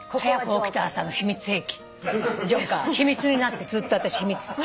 秘密になってずっと私秘密。